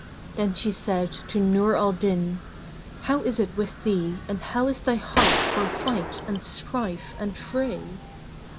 Then she said to Nur al Din, "How is it with thee and how is thy heart for fight and strife and fray?"